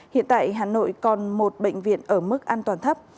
hiện tại hà nội còn một bệnh viện ở mức an toàn thấp